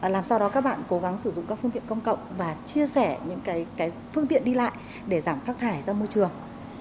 làm sao đó các bạn cố gắng sử dụng các phương tiện công cộng và chia sẻ những phương tiện đi lại để giảm phát thải ra môi trường